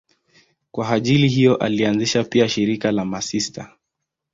Kwa ajili hiyo alianzisha pia shirika la masista.